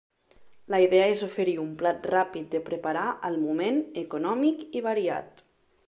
La idea és oferir un plat ràpid de preparar al moment, econòmic i variat.